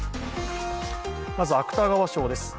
まず芥川賞です。